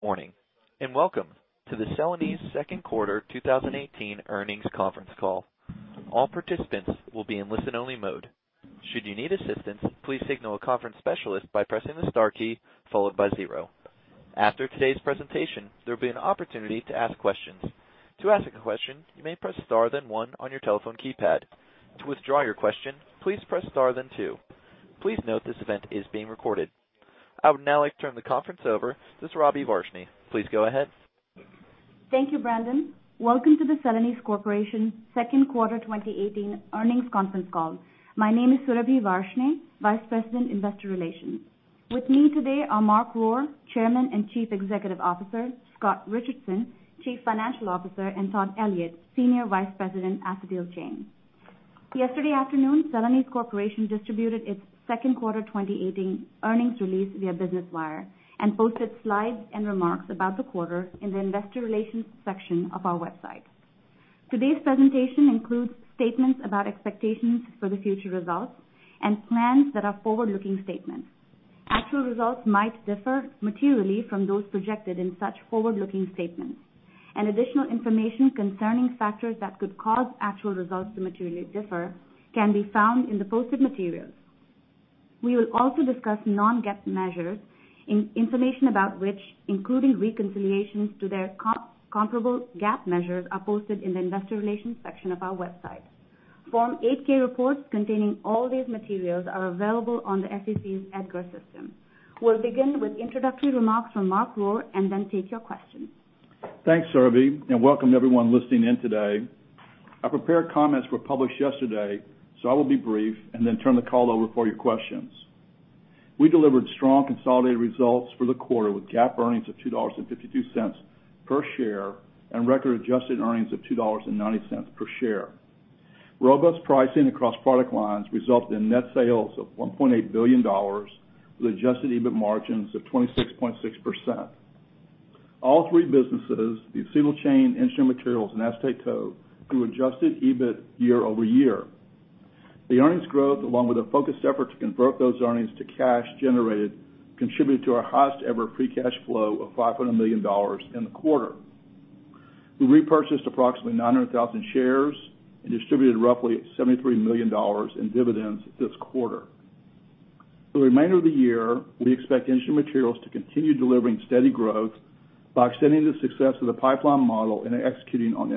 Morning, welcome to the Celanese second quarter 2018 earnings conference call. All participants will be in listen only mode. Should you need assistance, please signal a conference specialist by pressing the star key followed by zero. After today's presentation, there'll be an opportunity to ask questions. To ask a question, you may press star then one on your telephone keypad. To withdraw your question, please press star then two. Please note this event is being recorded. I would now like to turn the conference over to Surabhi Varshney. Please go ahead. Thank you, Brandon. Welcome to the Celanese Corporation second quarter 2018 earnings conference call. My name is Surabhi Varshney, Vice President, Investor Relations. With me today are Mark Rohr, Chairman and Chief Executive Officer, Scott Richardson, Chief Financial Officer, and Todd Elliott, Senior Vice President, Acetyl Chain. Yesterday afternoon, Celanese Corporation distributed its second quarter 2018 earnings release via Business Wire and posted slides and remarks about the quarter in the investor relations section of our website. Today's presentation includes statements about expectations for the future results and plans that are forward-looking statements. Actual results might differ materially from those projected in such forward-looking statements. Additional information concerning factors that could cause actual results to materially differ can be found in the posted materials. We will also discuss non-GAAP measures, information about which, including reconciliations to their comparable GAAP measures, are posted in the investor relations section of our website. Form 8-K reports containing all these materials are available on the SEC's EDGAR system. We'll begin with introductory remarks from Mark Rohr and then take your questions. Thanks, Surabhi, welcome everyone listening in today. Our prepared comments were published yesterday. I will be brief and then turn the call over for your questions. We delivered strong consolidated results for the quarter with GAAP earnings of $2.52 per share and record adjusted earnings of $2.90 per share. Robust pricing across product lines resulted in net sales of $1.8 billion with adjusted EBIT margins of 26.6%. All three businesses, the Acetyl Chain, Engineered Materials, and Acetate Tow, grew adjusted EBIT year-over-year. The earnings growth along with a focused effort to convert those earnings to cash generated contributed to our highest ever free cash flow of $500 million in the quarter. We repurchased approximately 900,000 shares and distributed roughly $73 million in dividends this quarter. For the remainder of the year, we expect Engineered Materials to continue delivering steady growth by extending the success of the pipeline model and executing on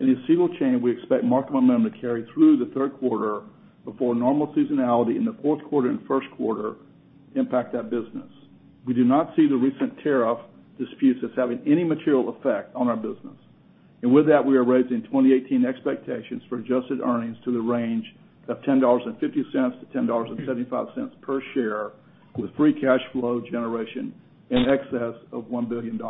M&A. In the Acetyl Chain, we expect marked momentum to carry through the third quarter before normal seasonality in the fourth quarter and first quarter impact that business. We do not see the recent tariff disputes as having any material effect on our business. With that, we are raising 2018 expectations for adjusted earnings to the range of $10.50-$10.75 per share, with free cash flow generation in excess of $1 billion.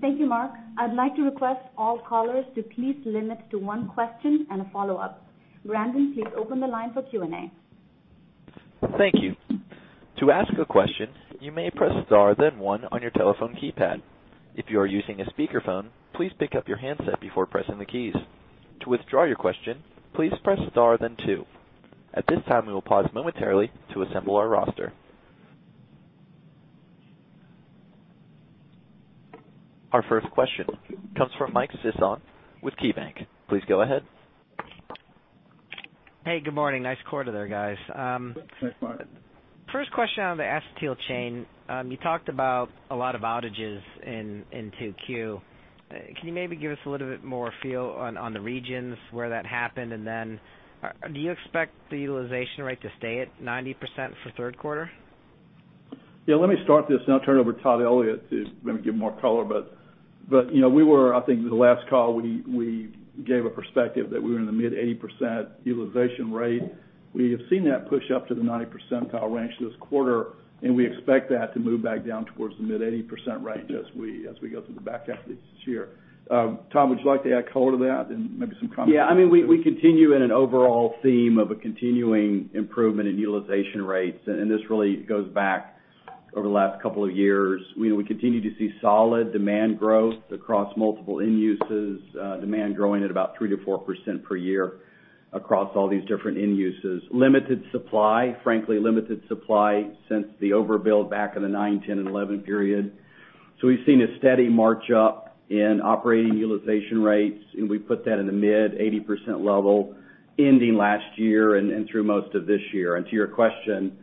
Thank you, Mark. I'd like to request all callers to please limit to one question and a follow-up. Brandon, please open the line for Q&A. Thank you. To ask a question, you may press star then one on your telephone keypad. If you are using a speakerphone, please pick up your handset before pressing the keys. To withdraw your question, please press star then two. At this time, we will pause momentarily to assemble our roster. Our first question comes from Mike Sison with KeyBank. Please go ahead. Hey, good morning. Nice quarter there, guys. Thanks, Mike. First question on the Acetyl Chain. You talked about a lot of outages in 2Q. Can you maybe give us a little bit more feel on the regions where that happened? Then do you expect the utilization rate to stay at 90% for third quarter? Yeah, let me start this, then I'll turn it over to Todd Elliott to maybe give more color. I think the last call, we gave a perspective that we were in the mid 80% utilization rate. We have seen that push up to the 90 percentile range this quarter, and we expect that to move back down towards the mid 80% range as we go through the back half of this year. Todd, would you like to add color to that and maybe some comments. Yeah, we continue in an overall theme of a continuing improvement in utilization rates. This really goes back over the last couple of years. We continue to see solid demand growth across multiple end uses. Demand growing at about 3%-4% per year across all these different end uses. Limited supply. Frankly, limited supply since the overbuild back in the 2009, 2010, and 2011 period. We've seen a steady march up in operating utilization rates, and we put that in the mid 80% level ending last year and through most of this year. To your question,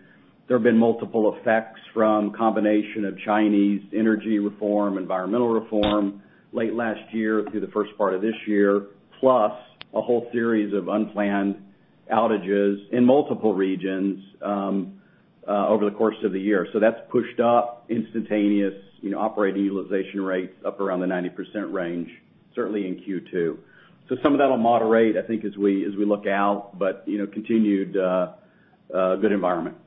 there have been multiple effects from combination of Chinese energy reform, environmental reform late last year through the first part of this year, plus a whole series of unplanned outages in multiple regions over the course of the year. That's pushed up instantaneous operating utilization rates up around the 90% range, certainly in Q2. Some of that will moderate, I think, as we look out. Continued good environment.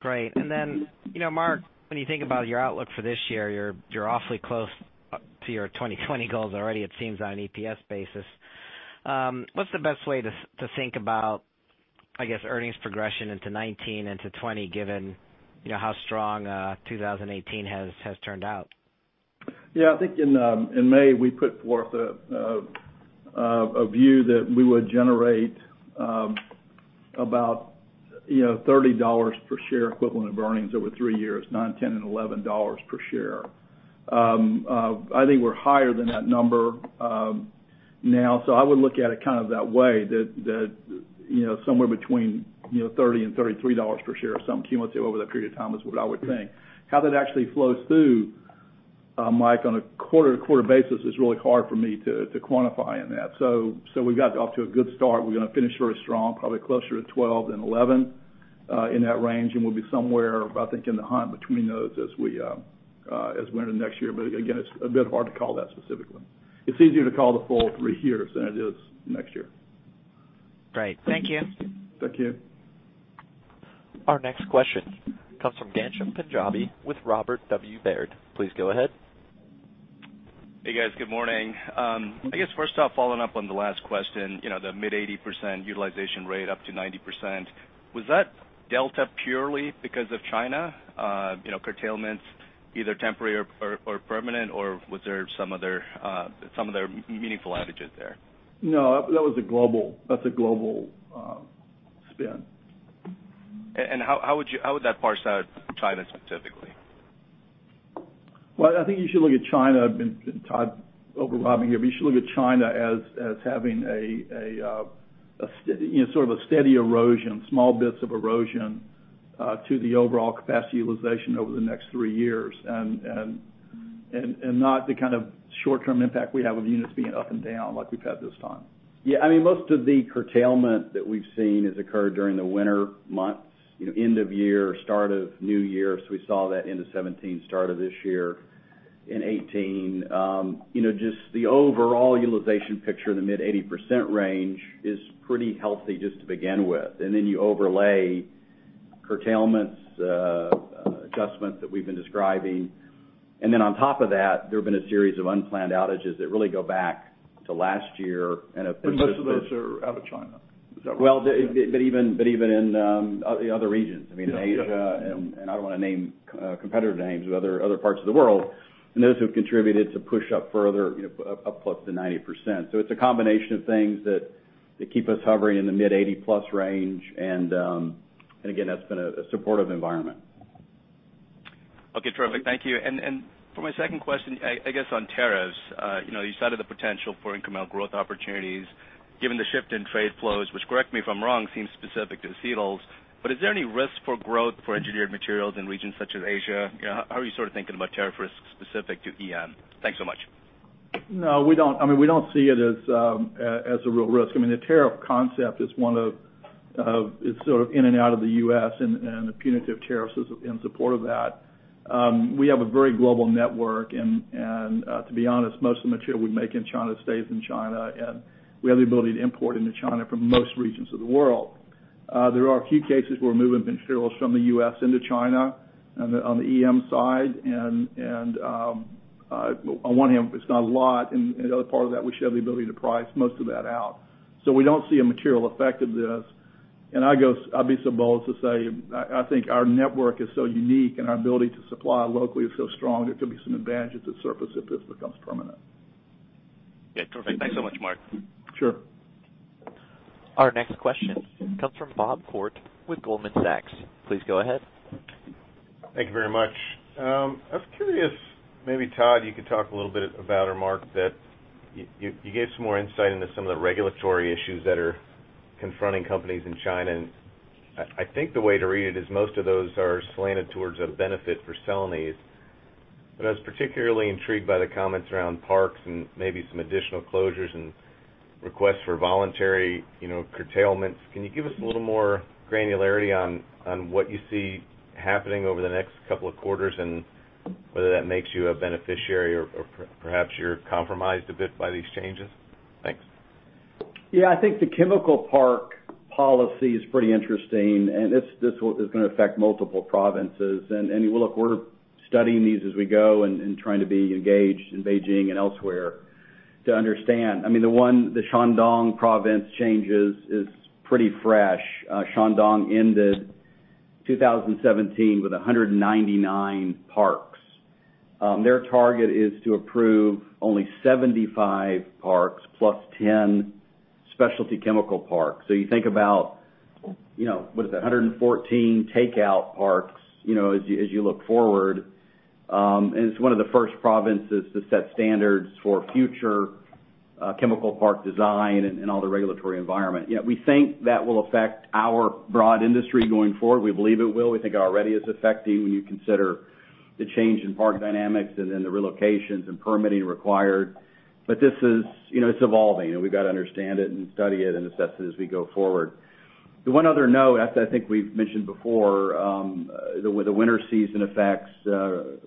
Great. Mark, when you think about your outlook for this year, you're awfully close to your 2020 goals already it seems on an EPS basis. What's the best way to think about, I guess, earnings progression into 2019, into 2020, given how strong 2018 has turned out? I think in May we put forth a view that we would generate About $30 per share equivalent of earnings over three years, $9, $10, and $11 per share. I think we're higher than that number now. I would look at it that way, that somewhere between $30 and $33 per share or some cumulative over that period of time is what I would think. How that actually flows through, Mike, on a quarter-to-quarter basis is really hard for me to quantify in that. We got off to a good start. We're going to finish very strong, probably closer to $12 than $11, in that range, and we'll be somewhere, I think, in the hunt between those as we enter next year. Again, it's a bit hard to call that specifically. It's easier to call the full three years than it is next year. Great. Thank you. Thank you. Our next question comes from Ghansham Panjabi with Robert W. Baird. Please go ahead. Hey, guys. Good morning. I guess first off, following up on the last question, the mid 80% utilization rate up to 90%. Was that delta purely because of China? Curtailments either temporary or permanent, or was there some other meaningful outages there? No, that's a global spin. How would that parse out China specifically? I think you should look at China, Todd over here, you should look at China as having a sort of a steady erosion, small bits of erosion, to the overall capacity utilization over the next three years and not the kind of short-term impact we have of units being up and down like we've had this time. Most of the curtailment that we've seen has occurred during the winter months, end of year, start of new year. We saw that end of 2017, start of this year in 2018. Just the overall utilization picture in the mid 80% range is pretty healthy just to begin with. You overlay curtailments, adjustments that we've been describing. On top of that, there have been a series of unplanned outages that really go back to last year. Most of those are out of China. Is that right? Even in the other regions. In Asia, I don't want to name competitor names of other parts of the world, and those who have contributed to push up further, up close to 90%. It's a combination of things that keep us hovering in the mid 80-plus range. Again, that's been a supportive environment. Okay, terrific. Thank you. For my second question, I guess, on tariffs. You cited the potential for incremental growth opportunities given the shift in trade flows, which correct me if I'm wrong, seems specific to Celanese, but is there any risk for growth for Engineered Materials in regions such as Asia? How are you thinking about tariff risks specific to EM? Thanks so much. No, we don't see it as a real risk. The tariff concept is sort of in and out of the U.S., and the punitive tariffs is in support of that. We have a very global network, and to be honest, most of the material we make in China stays in China, and we have the ability to import into China from most regions of the world. There are a few cases where movement of materials from the U.S. into China on the EM side. On one hand, it's not a lot, and the other part of that, we should have the ability to price most of that out. We don't see a material effect of this. I'd be so bold to say, I think our network is so unique and our ability to supply locally is so strong, there could be some advantages that surface if this becomes permanent. Yeah, perfect. Thanks so much, Mark. Sure. Our next question comes from Bob Koort with Goldman Sachs. Please go ahead. Thank you very much. I was curious, maybe Todd, you could talk a little bit about, or Mark, that you gave some more insight into some of the regulatory issues that are confronting companies in China, and I think the way to read it is most of those are slanted towards a benefit for Celanese. I was particularly intrigued by the comments around parks and maybe some additional closures and requests for voluntary curtailments. Can you give us a little more granularity on what you see happening over the next couple of quarters and whether that makes you a beneficiary or perhaps you're compromised a bit by these changes? Thanks. Yeah. I think the chemical park policy is pretty interesting. This is going to affect multiple provinces. Look, we're studying these as we go and trying to be engaged in Beijing and elsewhere to understand. The Shandong province changes is pretty fresh. Shandong ended 2017 with 199 parks. Their target is to approve only 75 parks plus 10 specialty chemical parks. You think about, what is it, 114 takeout parks, as you look forward. It's one of the first provinces to set standards for future chemical park design and all the regulatory environment. We think that will affect our broad industry going forward. We believe it will. We think already it's affecting when you consider the change in park dynamics and then the relocations and permitting required. This is evolving, we've got to understand it and study it and assess it as we go forward. The one other note, I think we've mentioned before, the winter season effects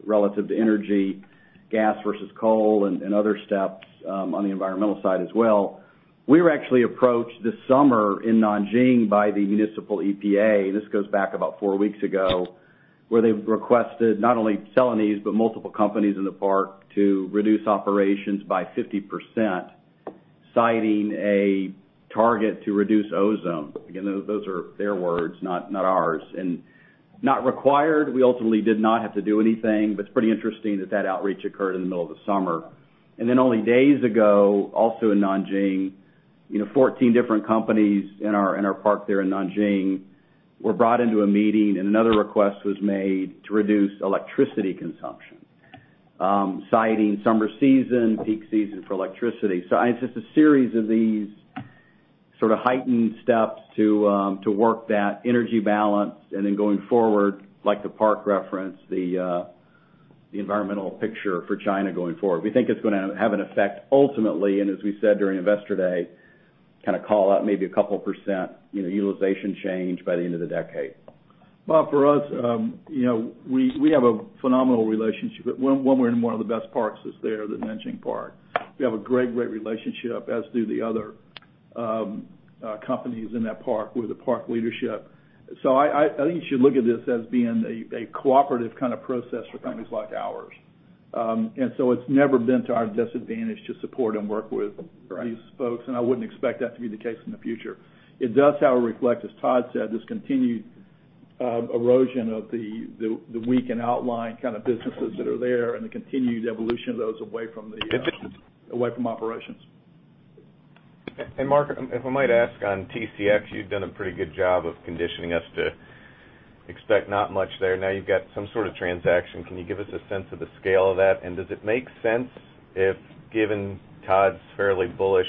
relative to energy, gas versus coal, and other steps on the environmental side as well. We were actually approached this summer in Nanjing by the municipal EPA, this goes back about four weeks ago, where they requested not only Celanese, but multiple companies in the park to reduce operations by 50%, citing a target to reduce ozone. Again, those are their words, not ours. Not required. We ultimately did not have to do anything, but it's pretty interesting that that outreach occurred in the middle of the summer. Only days ago, also in Nanjing, 14 different companies in our park there in Nanjing were brought into a meeting, and another request was made to reduce electricity consumption, citing summer season, peak season for electricity. It's just a series of these sort of heightened steps to work that energy balance and then going forward, like the park referenced, the environmental picture for China going forward. We think it's going to have an effect ultimately, and as we said during Investor Day, kind of call out maybe a couple % utilization change by the end of the decade. Well, for us, we have a phenomenal relationship. One, we're in one of the best parks that's there, the Nanjing Park. We have a great relationship, as do the other companies in that park with the park leadership. I think you should look at this as being a cooperative kind of process for companies like ours. It's never been to our disadvantage to support and work with these folks. Right. I wouldn't expect that to be the case in the future. It does, however, reflect, as Todd said, this continued erosion of the weak and outlying kind of businesses that are there and the continued evolution of those away from operations. Mark, if I might ask on TCX, you've done a pretty good job of conditioning us to expect not much there. Now you've got some sort of transaction. Can you give us a sense of the scale of that? Does it make sense if, given Todd's fairly bullish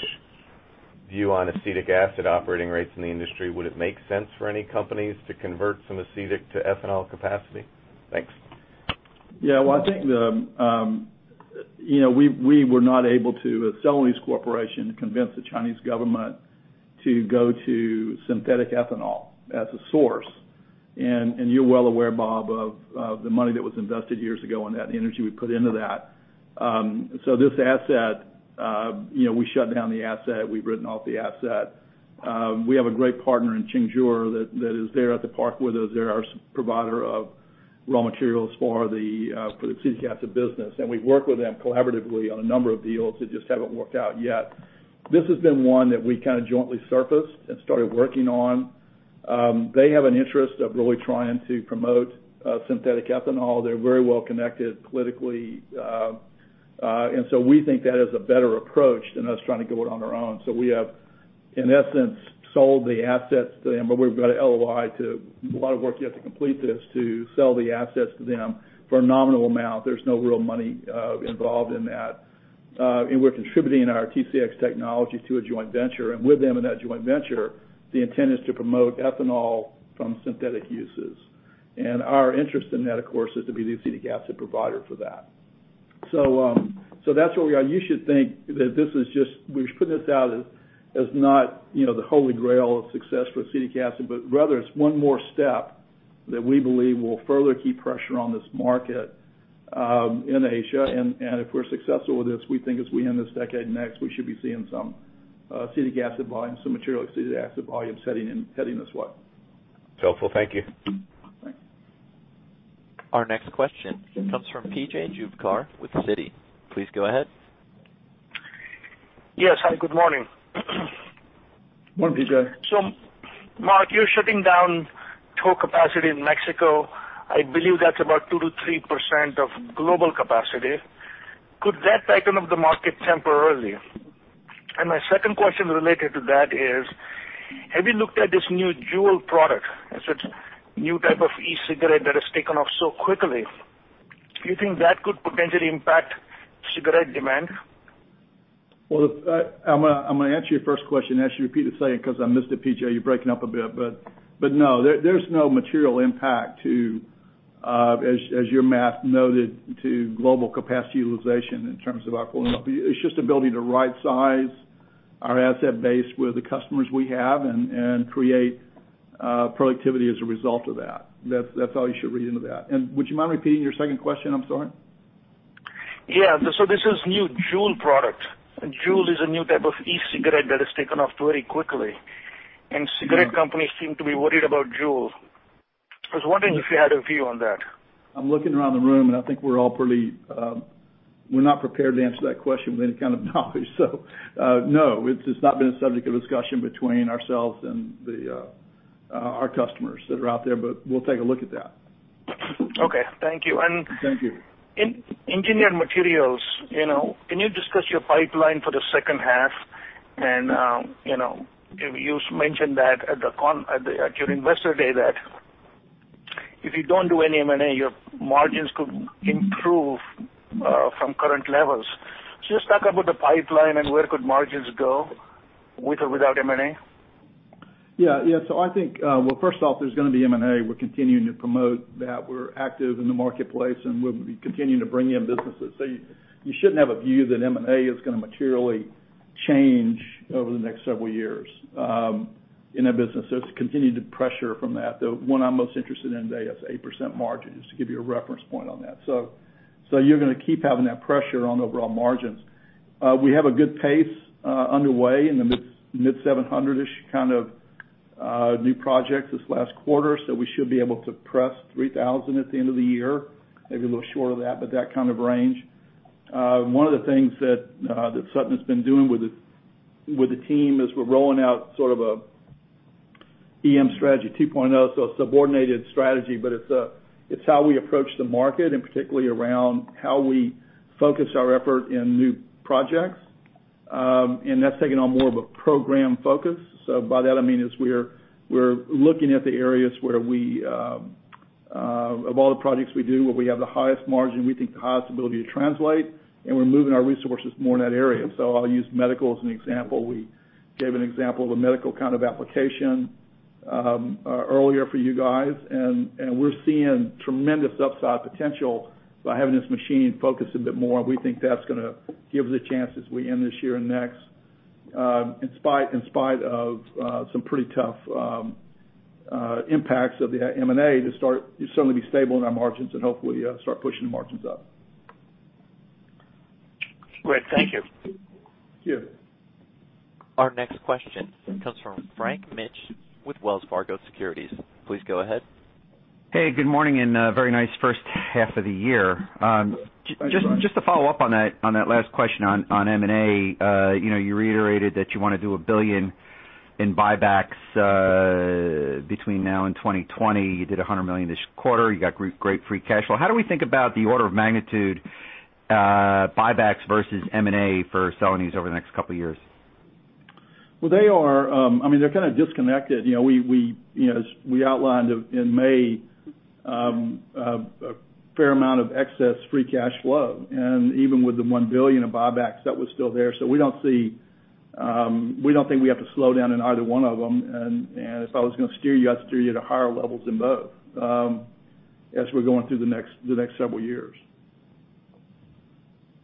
view on acetic acid operating rates in the industry, would it make sense for any companies to convert some acetic to ethanol capacity? Thanks. Yeah. Well, I think we were not able to, at Celanese Corporation, convince the Chinese government to go to synthetic ethanol as a source. You're well aware, Bob, of the money that was invested years ago on that and the energy we put into that. This asset, we shut down the asset. We've written off the asset. We have a great partner in Qingzhou that is there at the park with us. They're our provider of raw materials for the acetic acid business. We've worked with them collaboratively on a number of deals that just haven't worked out yet. This has been one that we kind of jointly surfaced and started working on. They have an interest of really trying to promote synthetic ethanol. They're very well connected politically. We think that is a better approach than us trying to go it on our own. We have, in essence, sold the assets to them. We've got an LOI to, a lot of work yet to complete this, to sell the assets to them for a nominal amount. There's no real money involved in that. We're contributing our TCX technology to a joint venture. With them in that joint venture, the intent is to promote ethanol from synthetic uses. Our interest in that, of course, is to be the acetic acid provider for that. That's where we are. You should think that we should put this out as not the holy grail of success for acetic acid, but rather, it's one more step that we believe will further keep pressure on this market in Asia. If we're successful with this, we think as we end this decade next, we should be seeing some acetic acid volumes, some material acetic acid volumes heading this way. Helpful. Thank you. Thanks. Our next question comes from P.J. Juvekar with Citi. Please go ahead. Yes, hi. Good morning. Morning, PJ. Mark, you're shutting down tow capacity in Mexico. I believe that's about 2%-3% of global capacity. Could that tighten up the market temporarily? My second question related to that is, have you looked at this new Juul product? It's a new type of e-cigarette that has taken off so quickly. Do you think that could potentially impact cigarette demand? Well, I'm going to answer your first question. I'll ask you to repeat the second because I missed it, P.J. You're breaking up a bit. No, there's no material impact to, as your math noted, to global capacity utilization in terms of our pulling up. It's just ability to right-size our asset base with the customers we have and create productivity as a result of that. That's all you should read into that. Would you mind repeating your second question? I'm sorry. Yeah. This is new Juul product. Juul is a new type of e-cigarette that has taken off very quickly. Cigarette companies seem to be worried about Juul. I was wondering if you had a view on that. I'm looking around the room, I think we're not prepared to answer that question with any kind of knowledge. No, it's not been a subject of discussion between ourselves and our customers that are out there. We'll take a look at that. Okay. Thank you. Thank you. Engineered Materials, can you discuss your pipeline for the second half? You mentioned that at your Investor Day that if you don't do any M&A, your margins could improve from current levels. Just talk about the pipeline and where could margins go, with or without M&A? I think, well, first off, there's going to be M&A. We're continuing to promote that. We're active in the marketplace, we'll be continuing to bring in businesses. You shouldn't have a view that M&A is going to materially change over the next several years in our business. It's continued pressure from that. The one I'm most interested in today is 8% margins to give you a reference point on that. You're going to keep having that pressure on overall margins. We have a good pace underway in the mid-700-ish kind of new projects this last quarter. We should be able to press 3,000 at the end of the year. Maybe a little short of that, but that kind of range. One of the things that Sutton's been doing with the team, as we're rolling out sort of a EM strategy 2.0, a subordinated strategy, but it's how we approach the market, particularly around how we focus our effort in new projects. That's taken on more of a program focus. By that, I mean is we're looking at the areas where of all the projects we do, where we have the highest margin, we think the highest ability to translate, we're moving our resources more in that area. I'll use medical as an example. We gave an example of a medical kind of application earlier for you guys, we're seeing tremendous upside potential by having this machine focused a bit more. We think that's going to give the chances we end this year and next, in spite of some pretty tough impacts of the M&A certainly be stable in our margins hopefully start pushing the margins up. Great. Thank you. Yeah. Our next question comes from Frank Mitsch with Wells Fargo Securities. Please go ahead. Hey, good morning and a very nice first half of the year. Hi, Frank. Just to follow up on that last question on M&A. You reiterated that you want to do $1 billion in buybacks between now and 2020. You did $100 million this quarter. You got great free cash flow. How do we think about the order of magnitude buybacks versus M&A for Celanese over the next couple of years? Well, they're kind of disconnected. As we outlined in May, a fair amount of excess free cash flow. Even with the $1 billion of buybacks, that was still there. We don't think we have to slow down in either one of them. If I was going to steer you, I'd steer you to higher levels in both as we're going through the next several years.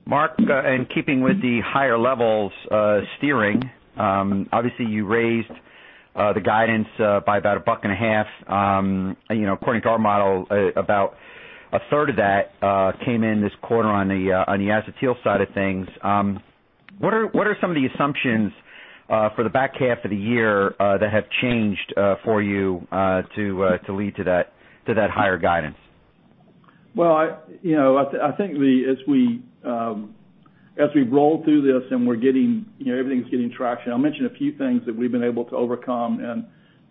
Mark, in keeping with the higher levels steering, obviously you raised the guidance by about a buck and a half. According to our model, about a third of that came in this quarter on the Acetyl Chain side of things. What are some of the assumptions for the back half of the year that have changed for you to lead to that higher guidance? Well, I think as we roll through this and everything's getting traction, I'll mention a few things that we've been able to overcome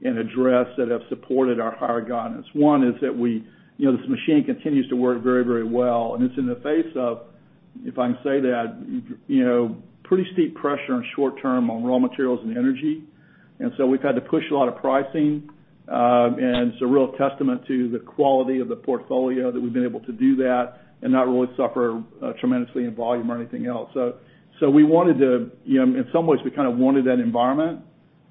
and address that have supported our higher guidance. One is that this machine continues to work very well, and it's in the face of, if I can say that, pretty steep pressure in short term on raw materials and energy. We've had to push a lot of pricing. It's a real testament to the quality of the portfolio that we've been able to do that and not really suffer tremendously in volume or anything else. We wanted to. In some ways, we kind of wanted that environment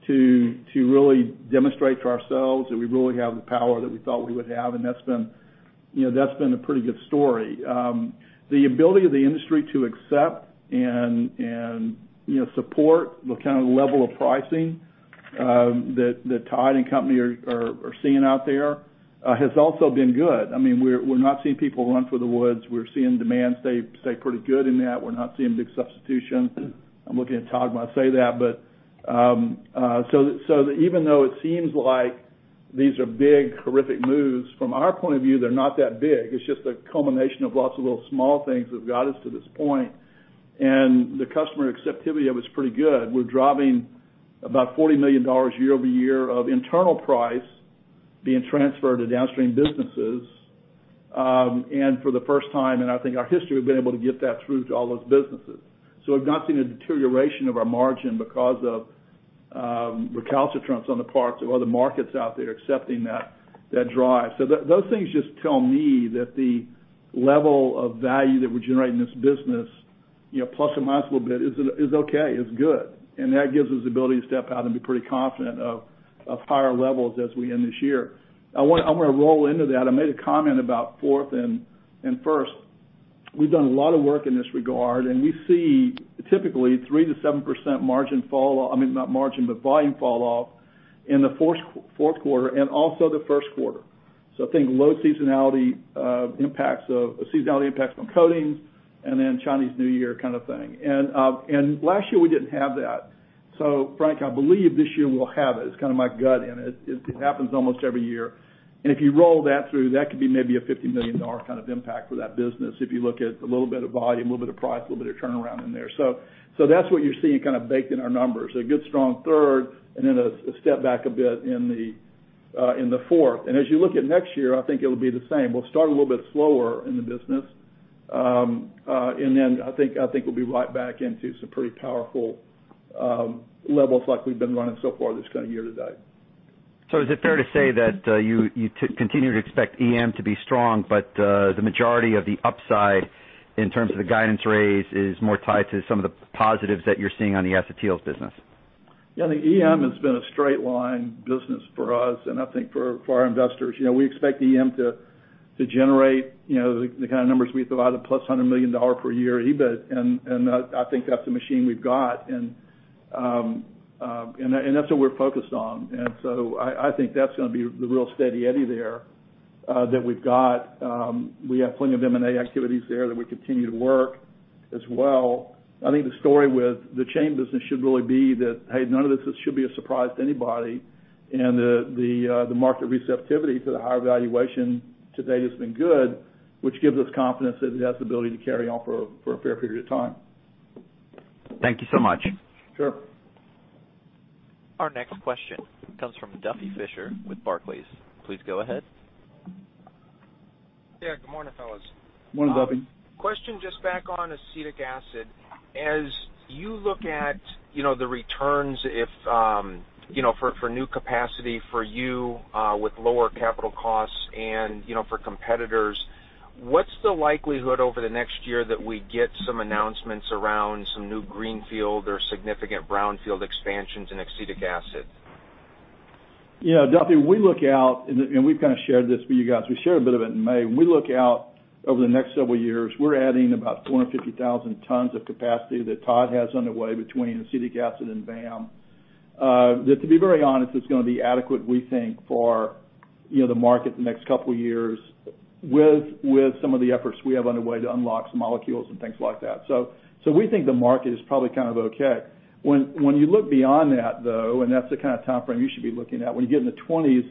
to really demonstrate to ourselves that we really have the power that we thought we would have, and that's been a pretty good story. The ability of the industry to accept and support the kind of level of pricing that Todd and company are seeing out there has also been good. We're not seeing people run for the woods. We're seeing demand stay pretty good in that. We're not seeing big substitution. I'm looking at Todd when I say that. Even though it seems like these are big, horrific moves, from our point of view, they're not that big. It's just a culmination of lots of little small things that got us to this point. The customer acceptability of it's pretty good. We're dropping about $40 million year-over-year of internal price being transferred to downstream businesses. For the first time in, I think, our history, we've been able to get that through to all those businesses. We've not seen a deterioration of our margin because of recalcitrance on the parts of other markets out there accepting that drive. Those things just tell me that the level of value that we're generating this business, plus or minus a little bit, is okay, is good. That gives us the ability to step out and be pretty confident of higher levels as we end this year. I'm going to roll into that. I made a comment about fourth and first. We've done a lot of work in this regard, and we see typically 3%-7% volume fall off in the fourth quarter and also the first quarter. Think seasonality impacts on coatings and then Chinese New Year kind of thing. Last year, we didn't have that. Frank, I believe this year we'll have it. It's kind of my gut, and it happens almost every year. If you roll that through, that could be maybe a $50 million kind of impact for that business, if you look at a little bit of volume, a little bit of price, a little bit of turnaround in there. That's what you're seeing kind of baked in our numbers, a good strong third and then a step back a bit in the fourth. As you look at next year, I think it'll be the same. We'll start a little bit slower in the business, and then I think we'll be right back into some pretty powerful levels like we've been running so far this kind of year to date. Is it fair to say that you continue to expect EM to be strong, but the majority of the upside in terms of the guidance raise is more tied to some of the positives that you're seeing on the Acetyl business? The EM has been a straight-line business for us and I think for our investors. We expect EM to generate the kind of numbers we throw out, the plus $100 million per year EBIT. I think that's the machine we've got, and that's what we're focused on. I think that's going to be the real steady eddy there that we've got. We have plenty of M&A activities there that we continue to work as well. I think the story with the Chain business should really be that, hey, none of this should be a surprise to anybody. The market receptivity to the higher valuation to date has been good. Which gives us confidence that it has the ability to carry on for a fair period of time. Thank you so much. Sure. Our next question comes from Duffy Fischer with Barclays. Please go ahead. Yeah. Good morning, fellas. Morning, Duffy. Question just back on acetic acid. As you look at the returns for new capacity for you with lower capital costs and for competitors, what's the likelihood over the next year that we get some announcements around some new greenfield or significant brownfield expansions in acetic acid? Duffy, we look out, we've kind of shared this with you guys. We shared a bit of it in May. We look out over the next several years. We're adding about 250,000 tons of capacity that Todd has underway between acetic acid and VAM. That, to be very honest, is going to be adequate, we think, for the market the next couple of years with some of the efforts we have underway to unlock some molecules and things like that. We think the market is probably kind of okay. When you look beyond that, though, and that's the kind of time frame you should be looking at, when you get in the '20s,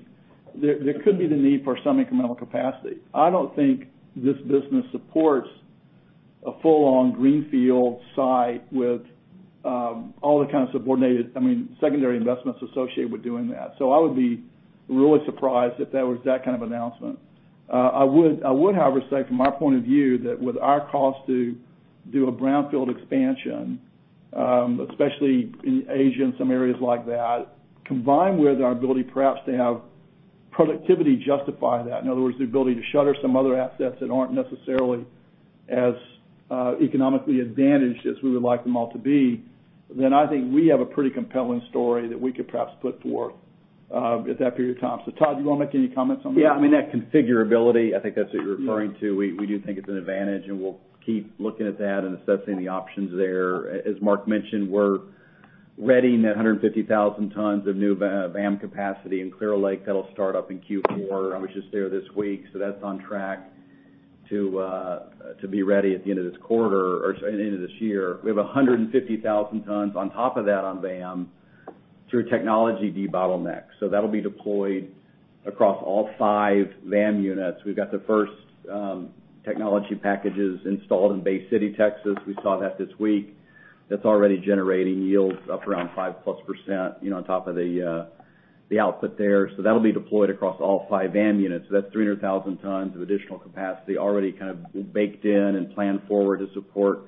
there could be the need for some incremental capacity. I don't think this business supports a full-on greenfield site with all the kind of secondary investments associated with doing that. I would be really surprised if there was that kind of announcement. I would, however, say from my point of view, that with our cost to do a brownfield expansion, especially in Asia and some areas like that, combined with our ability perhaps to have productivity justify that, in other words, the ability to shutter some other assets that aren't necessarily as economically advantaged as we would like them all to be, then I think we have a pretty compelling story that we could perhaps put forward at that period of time. Todd, do you want to make any comments on that? Yeah, that configurability, I think that's what you're referring to. Yeah. We do think it's an advantage, and we'll keep looking at that and assessing the options there. As Mark mentioned, we're readying that 150,000 tons of new VAM capacity in Clear Lake. That'll start up in Q4. I was just there this week. That's on track to be ready at the end of this year. We have 150,000 tons on top of that on VAM through a technology debottleneck. That'll be deployed across all 5 VAM units. We've got the first technology packages installed in Bay City, Texas. We saw that this week. That's already generating yields up around 5-plus% on top of the output there. That'll be deployed across all 5 VAM units. That's 300,000 tons of additional capacity already kind of baked in and planned forward to support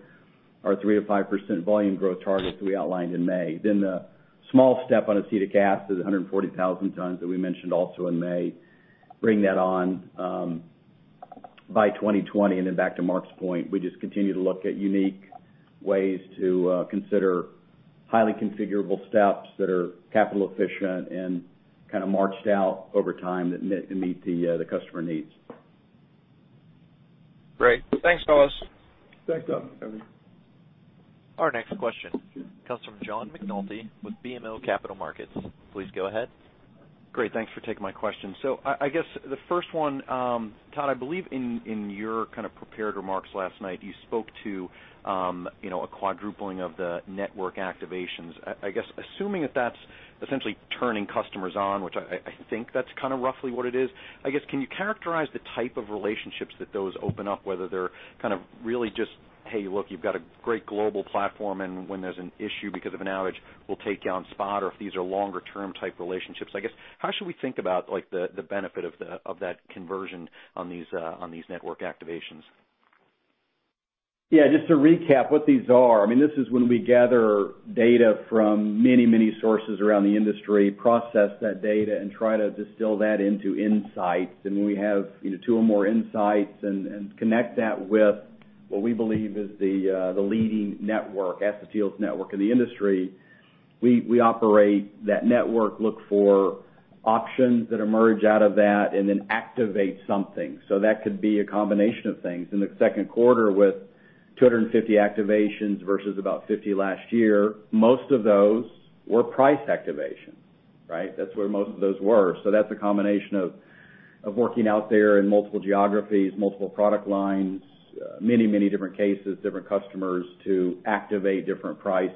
our 3%-5% volume growth target that we outlined in May. The small step on acetic acid, 140,000 tons that we mentioned also in May, bring that on by 2020. Back to Mark's point, we just continue to look at unique ways to consider highly configurable steps that are capital efficient and kind of marched out over time that meet the customer needs. Great. Thanks, fellas. Thanks, Duffy. Our next question comes from John McNulty with BMO Capital Markets. Please go ahead. Great. Thanks for taking my question. I guess the first one, Todd, I believe in your prepared remarks last night, you spoke to a quadrupling of the network activations. I guess, assuming that's essentially turning customers on, which I think that's kind of roughly what it is. I guess, can you characterize the type of relationships that those open up, whether they're really just, "Hey, look, you've got a great global platform, and when there's an issue because of an outage, we'll take you on spot," or if these are longer-term type relationships. I guess, how should we think about the benefit of that conversion on these network activations? Just to recap what these are. This is when we gather data from many sources around the industry, process that data, and try to distill that into insights. We have two or more insights and connect that with what we believe is the leading network, asset yields network in the industry. We operate that network, look for options that emerge out of that, and then activate something. That could be a combination of things. In the second quarter, with 250 activations versus about 50 last year, most of those were price activations. That's where most of those were. That's a combination of working out there in multiple geographies, multiple product lines, many different cases, different customers to activate different price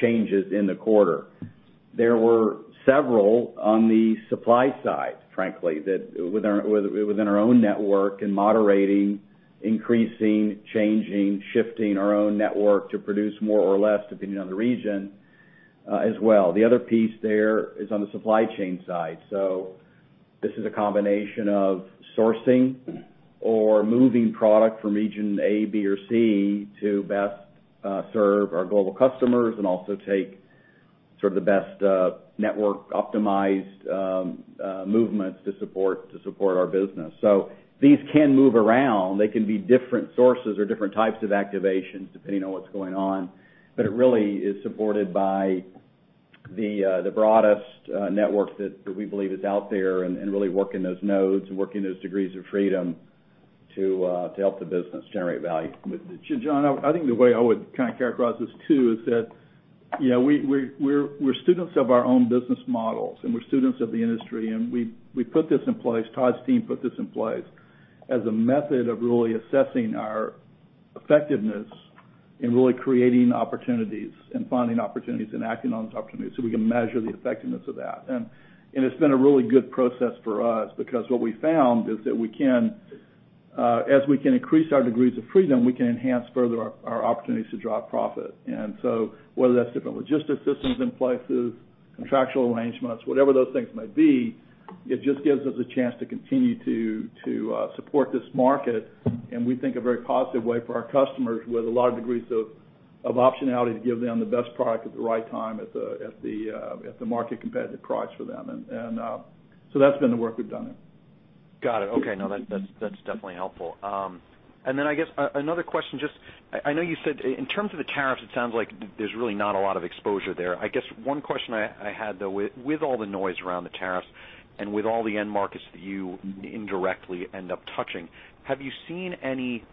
changes in the quarter. There were several on the supply side, frankly, that within our own network, in moderating, increasing, changing, shifting our own network to produce more or less, depending on the region as well. The other piece there is on the supply chain side. This is a combination of sourcing or moving product from region A, B, or C to best serve our global customers and also take sort of the best network optimized movements to support our business. These can move around. They can be different sources or different types of activations, depending on what's going on. It really is supported by the broadest network that we believe is out there and really working those nodes and working those degrees of freedom to help the business generate value. John, I think the way I would characterize this too is that we're students of our own business models, and we're students of the industry, and we put this in place. Todd's team put this in place as a method of really assessing our effectiveness in really creating opportunities and finding opportunities and acting on those opportunities so we can measure the effectiveness of that. It's been a really good process for us because what we found is that as we can increase our degrees of freedom, we can enhance further our opportunities to drive profit. Whether that's different logistics systems in places, contractual arrangements, whatever those things may be, it just gives us a chance to continue to support this market, and we think a very positive way for our customers with a lot of degrees of optionality to give them the best product at the right time at the market competitive price for them. That's been the work we've done there. Got it. Okay. No, that's definitely helpful. I guess another question, just I know you said in terms of the tariffs, it sounds like there's really not a lot of exposure there. I guess one question I had, though, with all the noise around the tariffs and with all the end markets that you indirectly end up touching, have you seen any demand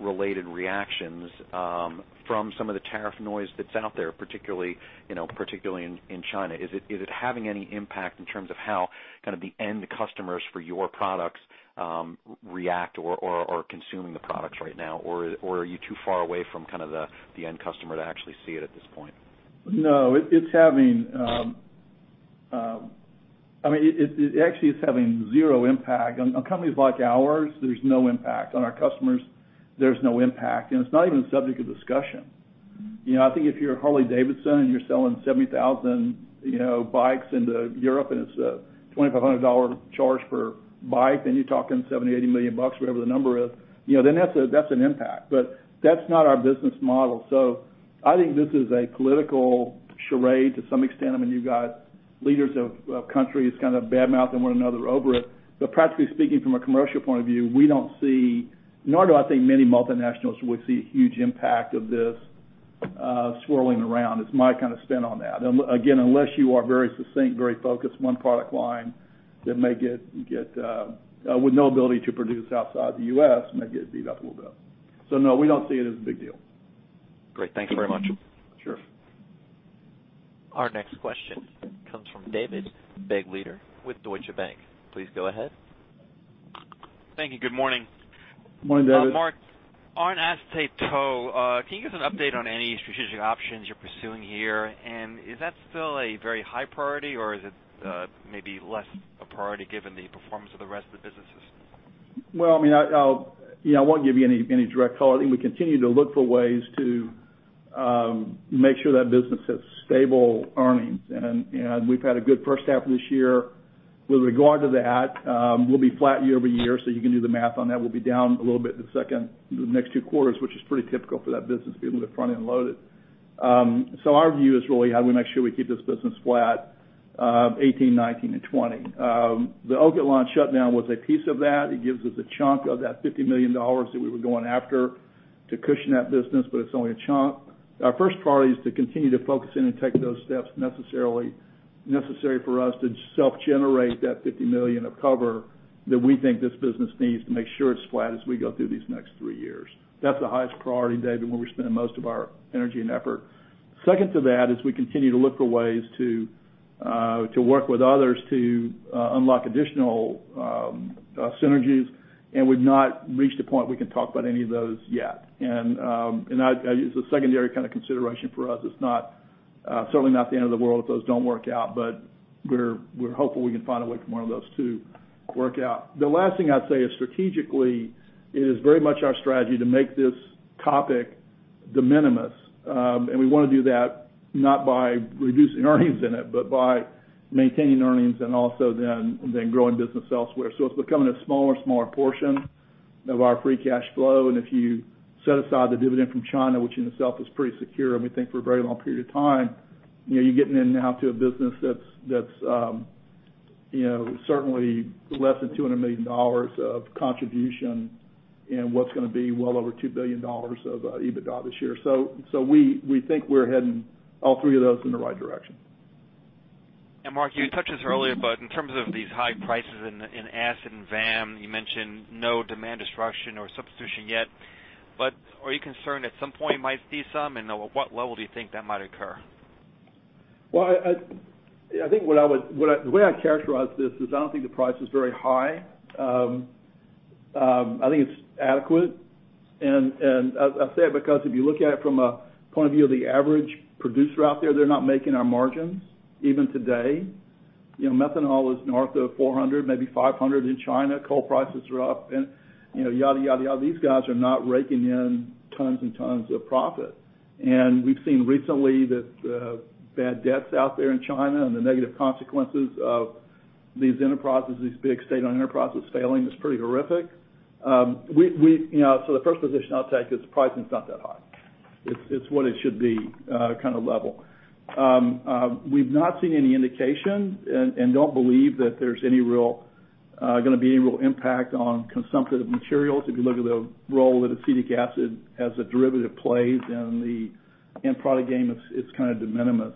related reactions from some of the tariff noise that's out there, particularly in China? Is it having any impact in terms of how kind of the end customers for your products react or are consuming the products right now? Or are you too far away from kind of the end customer to actually see it at this point? No, it actually is having zero impact. On companies like ours, there's no impact. On our customers, there's no impact, and it's not even a subject of discussion. I think if you're Harley-Davidson and you're selling 70,000 bikes into Europe and it's a $2,500 charge per bike, then you're talking $70 million or $80 million, whatever the number is, then that's an impact. That's not our business model. I think this is a political charade to some extent. You've got leaders of countries kind of badmouthing one another over it. Practically speaking, from a commercial point of view, we don't see, nor do I think many multinationals would see a huge impact of this swirling around is my kind of spin on that. Unless you are very succinct, very focused, one product line, with no ability to produce outside the U.S., you might get beat up a little bit. No, we don't see it as a big deal. Great. Thanks very much. Sure. Our next question comes from David Begleiter with Deutsche Bank. Please go ahead. Thank you. Good morning. Morning, David Begleiter. Mark Rohr, on Acetate Tow, can you give us an update on any strategic options you're pursuing here? Is that still a very high priority, or is it maybe less a priority given the performance of the rest of the businesses? Well, I won't give you any direct color. I think we continue to look for ways to make sure that business has stable earnings, and we've had a good first half of this year with regard to that. We'll be flat year-over-year, so you can do the math on that. We'll be down a little bit in the next two quarters, which is pretty typical for that business being a little front end loaded. Our view is really how do we make sure we keep this business flat 2018, 2019, and 2020. The Ocotlán shutdown was a piece of that. It gives us a chunk of that $50 million that we were going after to cushion that business, but it's only a chunk. Our first priority is to continue to focus in and take those steps necessary for us to self-generate that $50 million of cover that we think this business needs to make sure it's flat as we go through these next three years. That's the highest priority, David Begleiter, where we spend most of our energy and effort. Second to that is we continue to look for ways to work with others to unlock additional synergies. We've not reached a point we can talk about any of those yet. It's a secondary kind of consideration for us. It's certainly not the end of the world if those don't work out, but we're hopeful we can find a way for one of those to work out. The last thing I'd say is strategically it is very much our strategy to make this topic de minimis. We want to do that not by reducing earnings in it, but by maintaining earnings and also growing business elsewhere. It's becoming a smaller and smaller portion of our free cash flow. If you set aside the dividend from China, which in itself is pretty secure, and we think for a very long period of time, you're getting into now to a business that's certainly less than $200 million of contribution in what's going to be well over $2 billion of EBITDA this year. We think we're heading all three of those in the right direction. Mark, you touched this earlier, in terms of these high prices in acid and VAM, you mentioned no demand destruction or substitution yet, are you concerned at some point might see some, and at what level do you think that might occur? Well, I think the way I characterize this is I don't think the price is very high. I think it's adequate. I say it because if you look at it from a point of view of the average producer out there, they're not making our margins even today. Methanol is north of $400, maybe $500 in China. Coal prices are up and yada, yada. These guys are not raking in tons and tons of profit. We've seen recently that bad debts out there in China and the negative consequences of these enterprises, these big state-owned enterprises failing is pretty horrific. The first position I'll take is pricing's not that high. It's what it should be kind of level. We've not seen any indication and don't believe that there's going to be a real impact on consumptive materials. If you look at the role that acetic acid as a derivative plays in the end product game, it's kind of de minimis.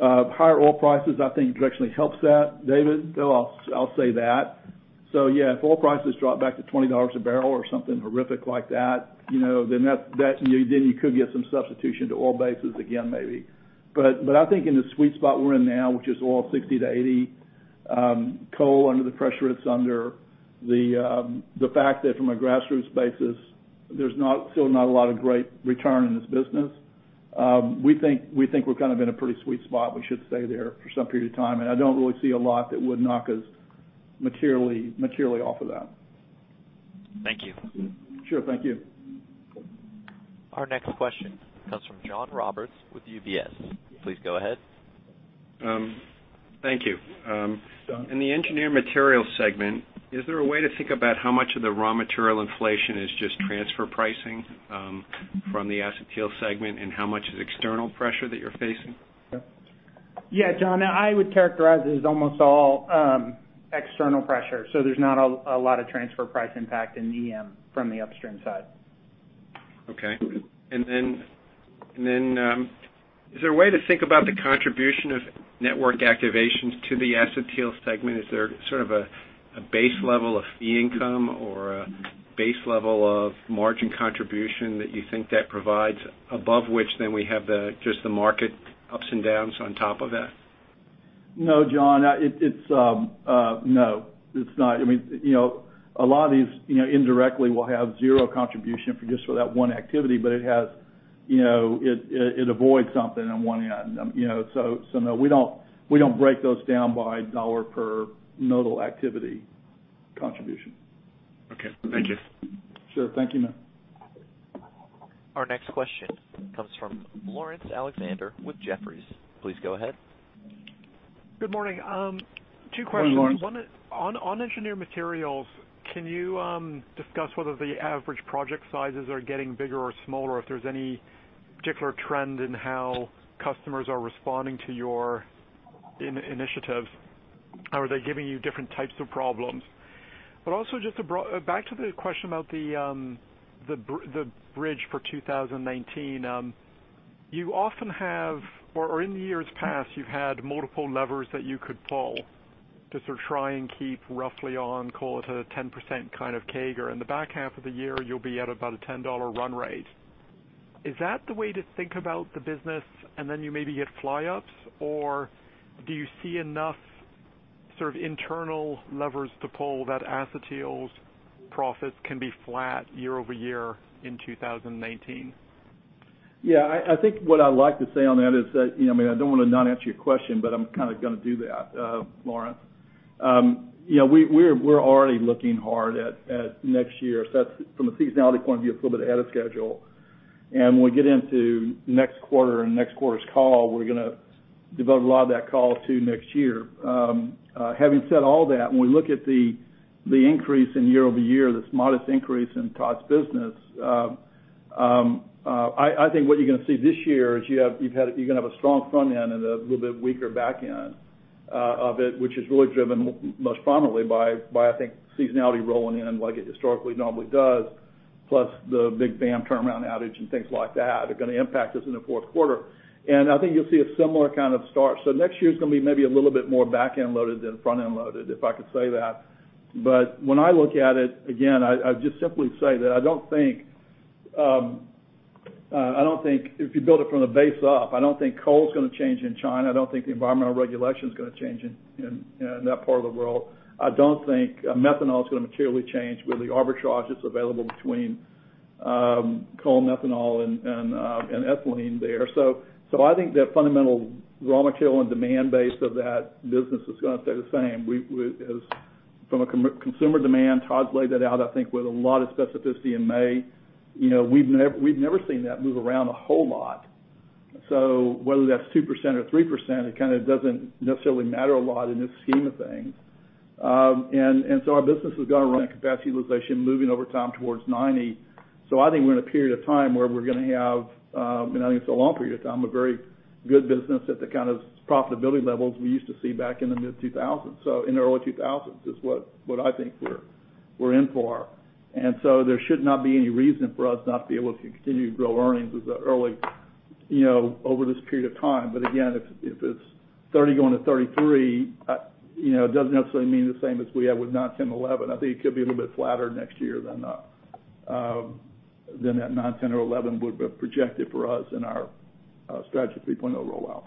Higher oil prices I think directionally helps that, David, I'll say that. Yeah, if oil prices drop back to $20 a barrel or something horrific like that, then you could get some substitution to oil bases again, maybe. I think in the sweet spot we're in now, which is oil $60-$80 Coal under the pressure it's under, the fact that from a grassroots basis, there's still not a lot of great return in this business. We think we're in a pretty sweet spot. We should stay there for some period of time, and I don't really see a lot that would knock us materially off of that. Thank you. Sure. Thank you. Our next question comes from John Roberts with UBS. Please go ahead. Thank you. John. In the Engineered Materials segment, is there a way to think about how much of the raw material inflation is just transfer pricing from the Acetyl Chain segment, how much is external pressure that you're facing? Yeah, John. I would characterize it as almost all external pressure. There's not a lot of transfer price impact in EM from the upstream side. Okay. Is there a way to think about the contribution of network activations to the Acetyl Chain segment? Is there sort of a base level of fee income or a base level of margin contribution that you think that provides above which we have just the market ups and downs on top of that? No, John. No, it's not. A lot of these indirectly will have zero contribution for just for that one activity, but it avoids something on one end. No. We don't break those down by dollar per nodal activity contribution. Okay. Thank you. Sure. Thank you, man. Our next question comes from Laurence Alexander with Jefferies. Please go ahead. Good morning. Two questions. Morning, Laurence. On Engineered Materials, can you discuss whether the average project sizes are getting bigger or smaller, if there's any particular trend in how customers are responding to your initiatives? Are they giving you different types of problems? Also, back to the question about the bridge for 2019. You often have, or in the years past, you've had multiple levers that you could pull to sort of try and keep roughly on, call it, a 10% kind of CAGR. In the back half of the year, you'll be at about a $10 run rate. Is that the way to think about the business, and then you maybe hit flyups? Or do you see enough sort of internal levers to pull that Acetyls profits can be flat year-over-year in 2019? I think what I'd like to say on that is that, I don't want to not answer your question, but I'm kind of going to do that, Laurence. We're already looking hard at next year. That's from a seasonality point of view, a little bit ahead of schedule. When we get into next quarter and next quarter's call, we're going to devote a lot of that call to next year. Having said all that, when we look at the increase in year-over-year, this modest increase in Todd's business, I think what you're going to see this year is you're going to have a strong front end and a little bit weaker back end of it, which is really driven most prominently by, I think, seasonality rolling in like it historically normally does, plus the big VAM turnaround outage and things like that are going to impact us in the fourth quarter. I think you'll see a similar kind of start. Next year's going to be maybe a little bit more back end loaded than front end loaded, if I could say that. When I look at it, again, I'd just simply say that if you build it from the base up, I don't think coal's going to change in China. I don't think the environmental regulation's going to change in that part of the world. I don't think methanol is going to materially change with the arbitrage that's available between coal and methanol and ethylene there. I think the fundamental raw material and demand base of that business is going to stay the same. From a consumer demand, Todd's laid that out, I think, with a lot of specificity in May. We've never seen that move around a whole lot. So whether that's 2% or 3%, it kind of doesn't necessarily matter a lot in the scheme of things. Our business is going to run at capacity utilization moving over time towards 90. I think we're in a period of time where we're going to have, and I think it's a long period of time, a very good business at the kind of profitability levels we used to see back in the mid-2000s. In the early 2000s is what I think we're in for. There should not be any reason for us not to be able to continue to grow earnings over this period of time. Again, if it's 30 going to 33, it doesn't necessarily mean the same as we had with nine, 10, 11. I think it could be a little bit flatter next year than that nine, 10 or 11 would projected for us in our Strategy 3.0 rollout.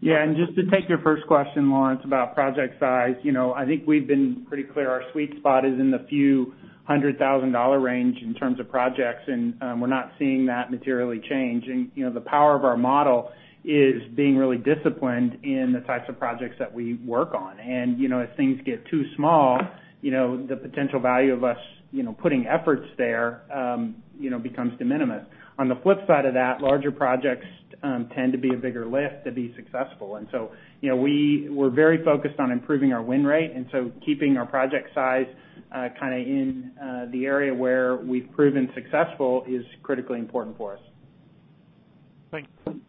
Yeah. Just to take your first question, Laurence, about project size. I think we've been pretty clear. Our sweet spot is in the $few hundred thousand dollar range in terms of projects, we're not seeing that materially change. The power of our model is being really disciplined in the types of projects that we work on. As things get too small, the potential value of us putting efforts there becomes de minimis. On the flip side of that, larger projects tend to be a bigger lift to be successful. We're very focused on improving our win rate, keeping our project size kind of in the area where we've proven successful is critically important for us. Thank you.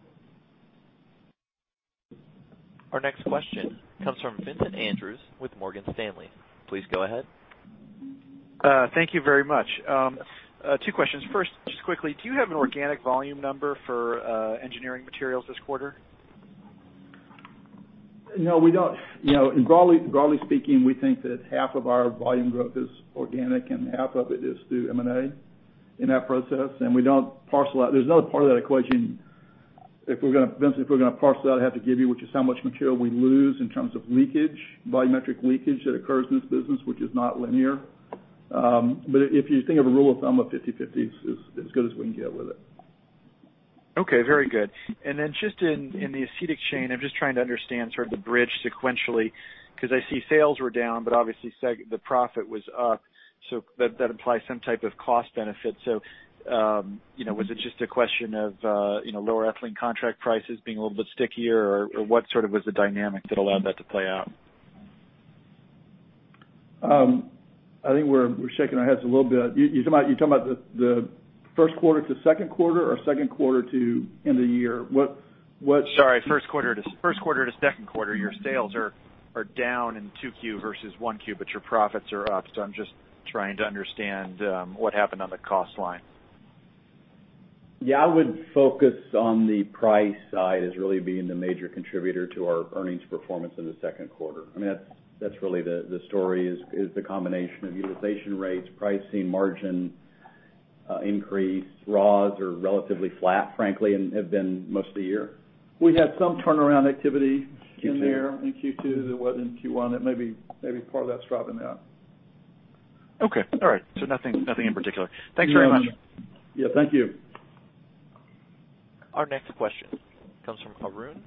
Our next question comes from Vincent Andrews with Morgan Stanley. Please go ahead. Thank you very much. Two questions. First, just quickly, do you have an organic volume number for Engineered Materials this quarter? No, we don't. Broadly speaking, we think that half of our volume growth is organic and half of it is through M&A in that process, and we don't parcel out. There's no part of that equation If we're going to parse it out, I have to give you, which is how much material we lose in terms of volumetric leakage that occurs in this business, which is not linear. If you think of a rule of thumb of 50/50 is as good as we can get with it. Okay, very good. Just in the Acetyl Chain, I'm just trying to understand sort of the bridge sequentially, because I see sales were down, but obviously the profit was up. That applies some type of cost benefit. Was it just a question of lower ethylene contract prices being a little bit stickier, or what sort of was the dynamic that allowed that to play out? I think we're shaking our heads a little bit. You're talking about the first quarter to second quarter or second quarter to end of year? Sorry, first quarter to second quarter. Your sales are down in 2Q versus 1Q, your profits are up. I'm just trying to understand what happened on the cost line. I would focus on the price side as really being the major contributor to our earnings performance in the second quarter. That's really the story is the combination of utilization rates, pricing margin increase. Raws are relatively flat, frankly, and have been most of the year. We had some turnaround activity in there in Q2 that wasn't in Q1. Maybe part of that's dropping out. Okay. All right. Nothing in particular. Thanks very much. Yeah. Thank you. Our next question comes from Arun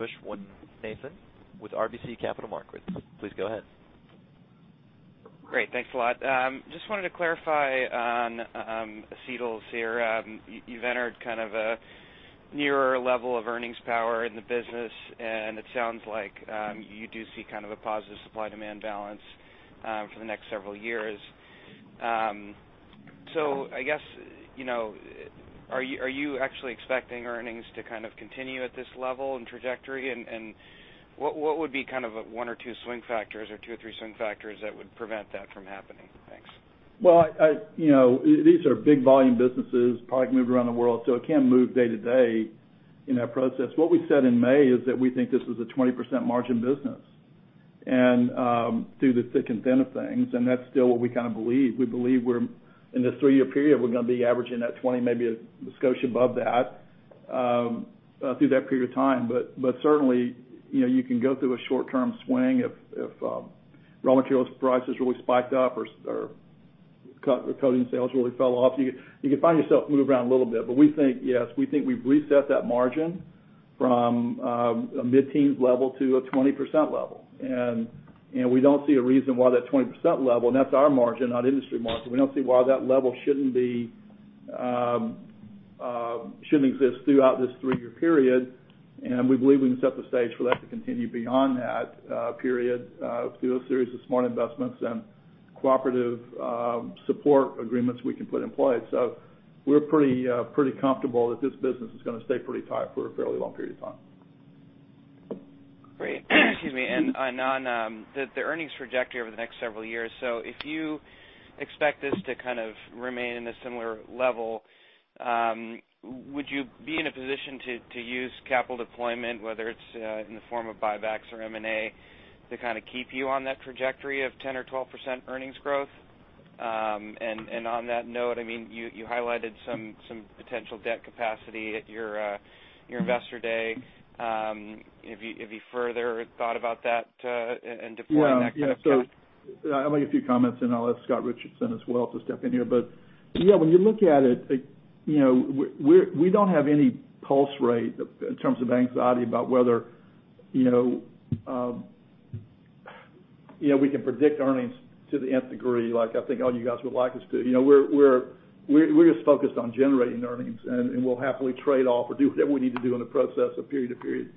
Viswanathan with RBC Capital Markets. Please go ahead. Great. Thanks a lot. Just wanted to clarify on acetyls here. You've entered kind of a nearer level of earnings power in the business, and it sounds like you do see kind of a positive supply demand balance for the next several years. I guess, are you actually expecting earnings to kind of continue at this level and trajectory? What would be kind of one or two swing factors or two or three swing factors that would prevent that from happening? Thanks. These are big volume businesses, product moved around the world, so it can move day to day in that process. What we said in May is that we think this is a 20% margin business through the thick and thin of things, and that's still what we kind of believe. We believe in this three-year period, we're going to be averaging that 20%, maybe a skosh above that through that period of time. Certainly, you can go through a short term swing if raw material prices really spiked up or coating sales really fell off. You could find yourself move around a little bit. But we think, yes, we think we've reset that margin from a mid-teens level to a 20% level. We don't see a reason why that 20% level, and that's our margin, not industry margin. We don't see why that level shouldn't exist throughout this three-year period. We believe we can set the stage for that to continue beyond that period through a series of smart investments and cooperative support agreements we can put in place. We're pretty comfortable that this business is going to stay pretty tight for a fairly long period of time. Great. Excuse me. On the earnings trajectory over the next several years. If you expect this to kind of remain in a similar level, would you be in a position to use capital deployment, whether it's in the form of buybacks or M&A, to kind of keep you on that trajectory of 10% or 12% earnings growth? On that note, you highlighted some potential debt capacity at your investor day. Have you further thought about that and deploying that kind of Yeah. I'll make a few comments, and I'll let Scott Richardson as well to step in here. Yeah, when you look at it, we don't have any pulse rate in terms of anxiety about whether we can predict earnings to the Nth degree like I think all you guys would like us to. We're just focused on generating earnings, and we'll happily trade off or do whatever we need to do in the process of period to period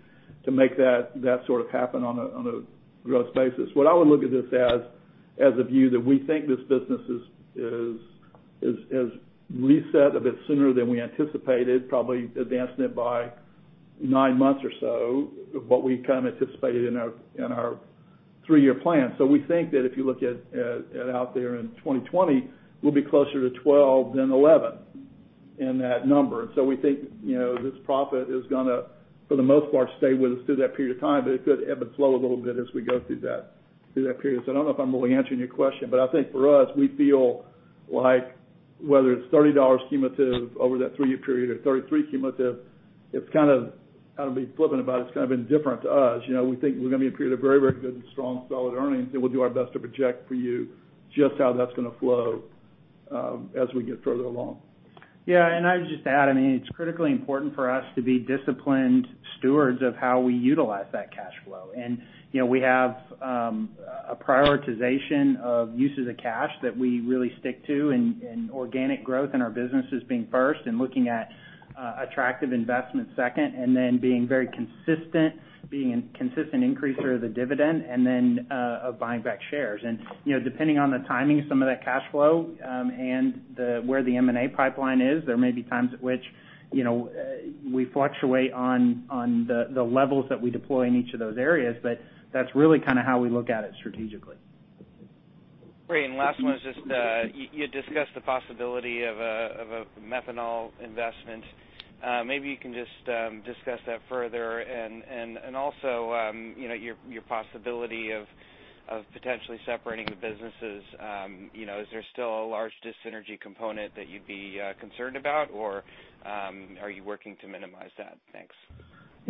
to make that sort of happen on a growth basis. What I would look at this as a view that we think this business has reset a bit sooner than we anticipated, probably advancing it by nine months or so, what we kind of anticipated in our three-year plan. We think that if you look at out there in 2020, we'll be closer to 12 than 11 in that number. We think this profit is going to, for the most part, stay with us through that period of time. It could ebb and flow a little bit as we go through that period. I don't know if I'm really answering your question. I think for us, we feel like whether it's $30 cumulative over that three-year period or 33 cumulative, I'll be flippant about it's kind of indifferent to us. We think we're going to be in a period of very good and strong, solid earnings, and we'll do our best to project for you just how that's going to flow as we get further along. I would just add, it's critically important for us to be disciplined stewards of how we utilize that cash flow. We have a prioritization of uses of cash that we really stick to and organic growth in our businesses being first and looking at attractive investment second, and then being very consistent, being a consistent increaser of the dividend and then of buying back shares. Depending on the timing of some of that cash flow and where the M&A pipeline is, there may be times at which we fluctuate on the levels that we deploy in each of those areas. That's really kind of how we look at it strategically. Great. Last one is just, you had discussed the possibility of a methanol investment. Maybe you can just discuss that further and also your possibility of potentially separating the businesses. Is there still a large dis-synergy component that you'd be concerned about? Or are you working to minimize that? Thanks.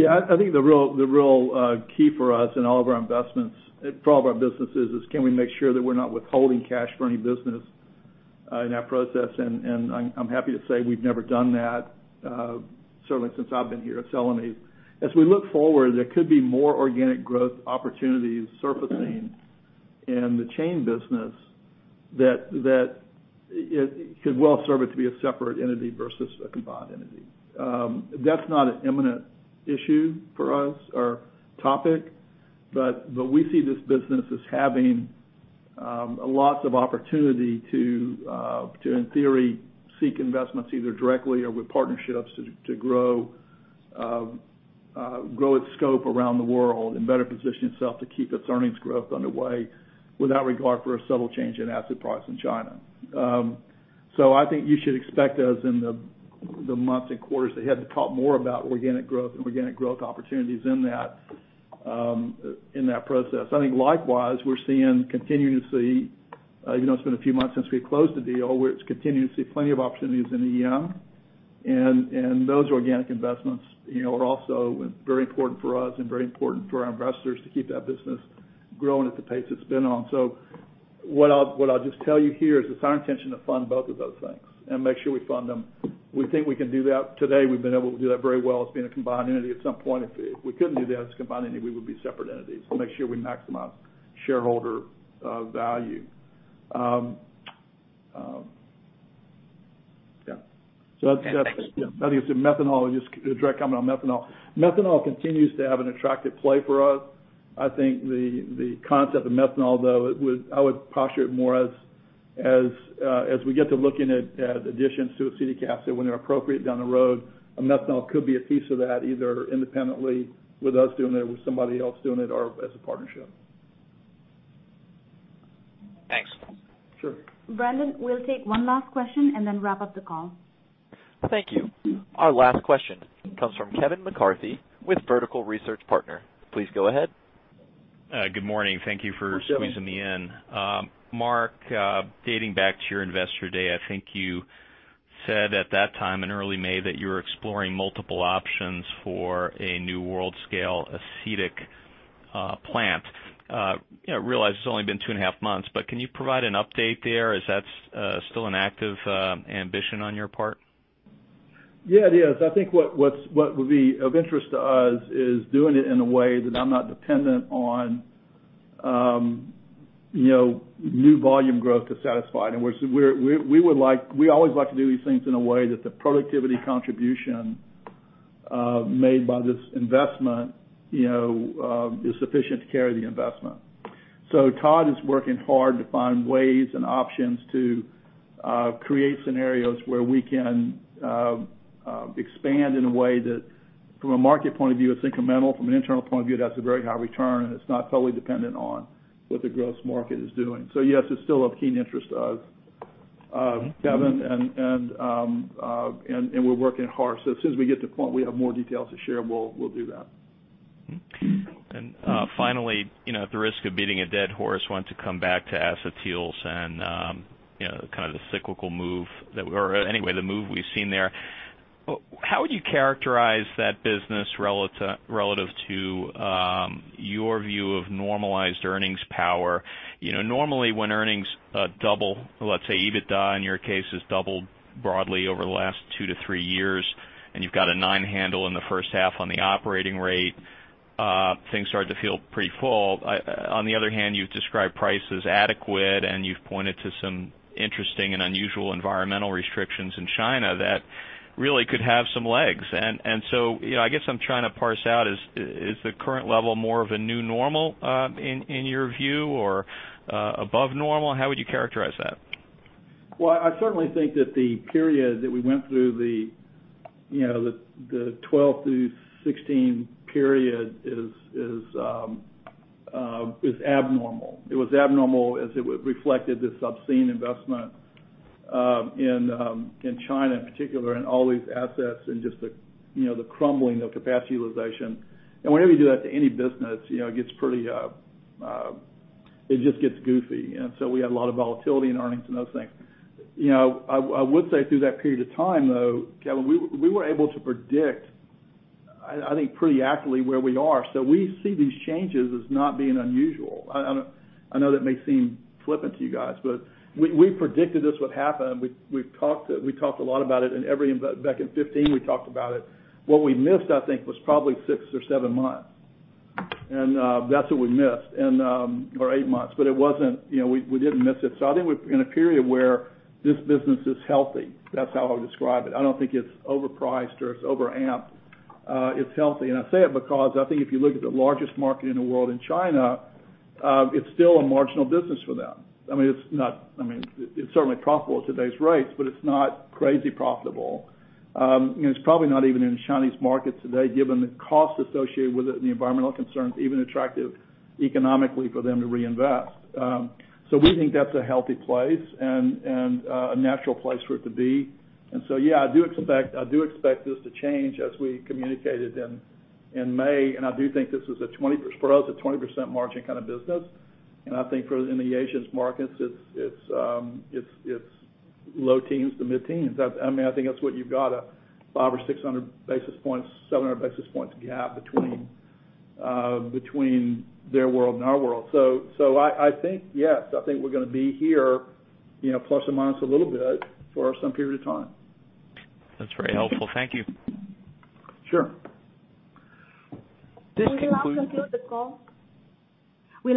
I think the real key for us in all of our investments, for all of our businesses, is can we make sure that we're not withholding cash for any business in that process. I'm happy to say we've never done that, certainly since I've been here at Celanese. As we look forward, there could be more organic growth opportunities surfacing in the Chain business that it could well serve it to be a separate entity versus a combined entity. That's not an imminent issue for us, or topic, but we see this business as having lots of opportunity to, in theory, seek investments either directly or with partnerships to grow its scope around the world and better position itself to keep its earnings growth underway without regard for a subtle change in asset price in China. I think you should expect us, in the months and quarters ahead, to talk more about organic growth and organic growth opportunities in that process. I think likewise, we continue to see, it's been a few months since we closed the deal. We continue to see plenty of opportunities in EM. Those organic investments are also very important for us and very important for our investors to keep that business growing at the pace it's been on. What I'll just tell you here is it's our intention to fund both of those things and make sure we fund them. We think we can do that. Today, we've been able to do that very well as being a combined entity. At some point, if we couldn't do that as a combined entity, we would be separate entities to make sure we maximize shareholder value. Thanks. Yeah. I think it's the methanol, just a direct comment on methanol. Methanol continues to have an attractive play for us. I think the concept of methanol, though, I would posture it more as we get to looking at additions to acetic acid, when they're appropriate down the road, methanol could be a piece of that, either independently with us doing it, or with somebody else doing it, or as a partnership. Thanks. Sure. Brandon, we'll take one last question and then wrap up the call. Thank you. Our last question comes from Kevin McCarthy with Vertical Research Partners. Please go ahead. Good morning. Thank you for squeezing me in. Hi, Kevin. Mark, dating back to your Investor Day, I think you said at that time in early May that you were exploring multiple options for a new world scale acetic plant. I realize it's only been two and a half months, but can you provide an update there? Is that still an active ambition on your part? Yeah, it is. I think what would be of interest to us is doing it in a way that I'm not dependent on new volume growth to satisfy it. We always like to do these things in a way that the productivity contribution made by this investment is sufficient to carry the investment. Todd is working hard to find ways and options to create scenarios where we can expand in a way that from a market point of view, it's incremental. From an internal point of view, it has a very high return, and it's not totally dependent on what the gross market is doing. Yes, it's still of keen interest to us, Kevin, and we're working hard. As soon as we get to the point we have more details to share, we'll do that. Finally, at the risk of beating a dead horse, want to come back to acetyls and kind of the cyclical move, or anyway, the move we've seen there. How would you characterize that business relative to your view of normalized earnings power? Normally when earnings double, let's say EBITDA in your case has doubled broadly over the last two to three years, and you've got a nine handle in the first half on the operating rate, things start to feel pretty full. On the other hand, you've described price as adequate, and you've pointed to some interesting and unusual environmental restrictions in China that really could have some legs. I guess I'm trying to parse out, is the current level more of a new normal in your view, or above normal? How would you characterize that? Well, I certainly think that the period that we went through, the 2012 through 2016 period is abnormal. It was abnormal as it reflected this obscene investment in China in particular, and all these assets and just the crumbling of capacity utilization. Whenever you do that to any business, it just gets goofy. We had a lot of volatility in earnings and those things. I would say through that period of time, though, Kevin, we were able to predict, I think pretty accurately where we are. We see these changes as not being unusual. I know that may seem flippant to you guys, but we predicted this would happen. We've talked a lot about it in every-- back in 2015, we talked about it. What we missed, I think, was probably six or seven months. That's what we missed. Eight months. We didn't miss it. I think we're in a period where this business is healthy. That's how I would describe it. I don't think it's overpriced or it's over-amped. It's healthy. I say it because I think if you look at the largest market in the world in China, it's still a marginal business for them. It's certainly profitable at today's rates, but it's not crazy profitable. It's probably not even in the Chinese market today, given the cost associated with it and the environmental concerns, even attractive economically for them to reinvest. We think that's a healthy place and a natural place for it to be. Yeah, I do expect this to change as we communicated in May. I do think this is, for us, a 20% margin kind of business. I think in the Asian markets, it's low teens to mid-teens. I think that's what you've got, a 500 or 600 basis points, 700 basis points gap between their world and our world. I think, yes, I think we're going to be here, ± a little bit, for some period of time. That's very helpful. Thank you. Sure. We'll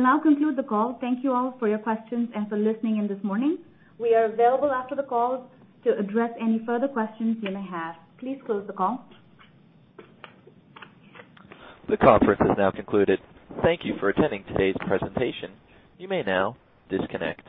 now conclude the call. Thank you all for your questions and for listening in this morning. We are available after the call to address any further questions you may have. Please close the call. The conference is now concluded. Thank you for attending today's presentation. You may now disconnect.